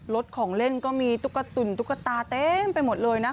ของเล่นก็มีตุ๊กตุ๋นตุ๊กตาเต็มไปหมดเลยนะ